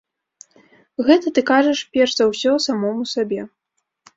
Гэта ты кажаш перш за ўсё самому сабе.